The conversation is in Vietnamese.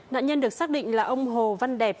nạn nhân được xác định là ông hồ văn đẹp